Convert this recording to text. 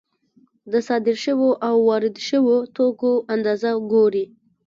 د صادر شویو او وارد شویو توکو اندازه ګوري